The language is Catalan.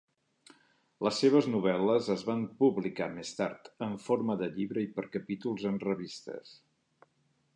Les seves novel·les es van publicar més tard, en forma de llibre i per capítols en revistes.